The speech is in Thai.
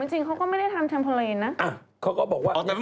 แต่ที่บุ๋มจริงเขาก็ไม่ได้ทำเทมโพเลนะ